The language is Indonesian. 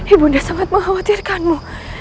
ibu sudah sangat mengkhawatirkanmu